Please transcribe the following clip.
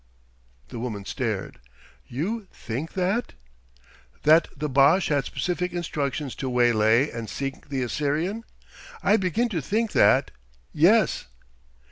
The woman stared. "You think that ?" "That the Boche had specific instructions to waylay and sink the Assyrian? I begin to think that yes."